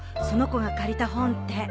その子が借りた本って。